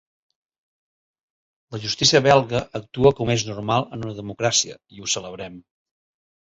La justícia belga actua com és normal en una democràcia i ho celebrem.